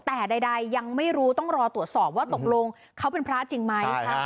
แต่ใดยังไม่รู้ต้องรอตรวจสอบว่าตกลงเขาเป็นพระจริงไหม